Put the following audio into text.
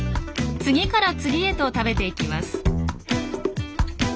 次から次へと食べていきます。